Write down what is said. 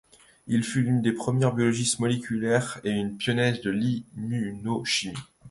Il fut l'un des premiers biologistes moléculaires et un pionnier en immunochimie.